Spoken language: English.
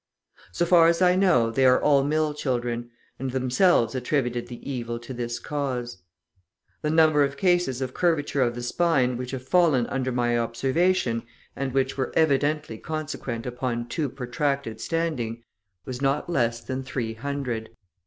So far as I know they were all mill children, and themselves attributed the evil to this cause. The number of cases of curvature of the spine which have fallen under my observation, and which were evidently consequent upon too protracted standing, was not less than three hundred."